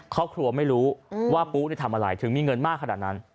ครอบครัวไม่รู้ว่าปูทำอะไรถึงมีเงินมากขนาดนั้น